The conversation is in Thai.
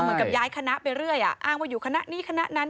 เหมือนกับย้ายคณะไปเรื่อยอ้างว่าอยู่คณะนี้คณะนั้น